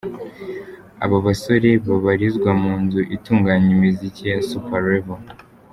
Aba basore babarizwa mu nzu itunganya imiziki ya Super Level.